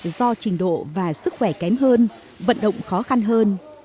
do trình độ và sức khỏe kém hơn vận động khó khăn hơn